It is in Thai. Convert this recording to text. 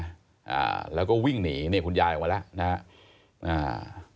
อ่าแล้วก็วิ่งหนีนี่คุณยายออกมาแล้วนะฮะอ่า